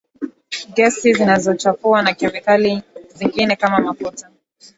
gesi zinazochafua na kemikali zingine kama mafuta